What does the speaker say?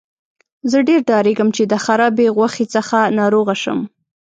زه ډیر ډاریږم چې د خرابې غوښې څخه ناروغه شم.